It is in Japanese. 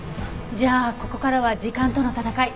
じゃあここからは時間との闘い。